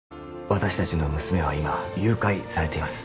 私達の娘は今誘拐されています